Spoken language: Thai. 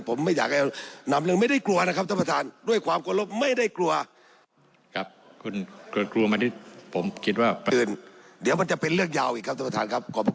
ผมไม่อยากให้นำเรื่อง